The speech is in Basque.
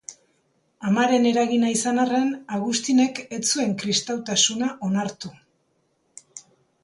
Amaren eragina izan arren, Agustinek ez zuen kristautasuna onartu.